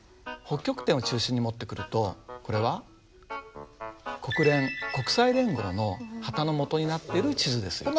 北極点を中心に持ってくるとこれは国連国際連合の旗のもとになっている地図です。